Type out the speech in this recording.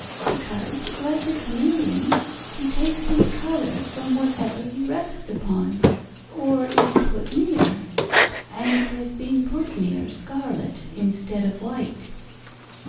Because, like the chameleon, he takes his colour from whatever he rests upon, or is put near. And he has been put near scarlet instead of white."